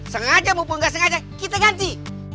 sengaja mumpung gak sengaja kita ganti